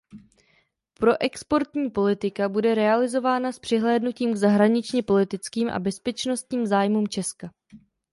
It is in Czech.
Proexportní politika bude realizována s přihlédnutím k zahraničně – politickým a bezpečnostním zájmům česka.